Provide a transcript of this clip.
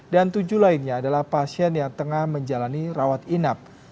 dan tujuh lainnya adalah pasien yang tengah menjalani rawat inap